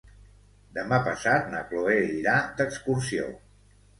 Demà passat na Cloè irà d'excursió.